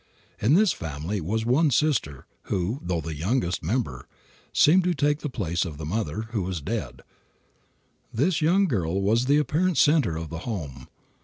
In this family was one sister who, though the youngest member, seemed to take the place of the mother, who was dead. This young girl was the apparent center of the home.